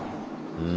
うん。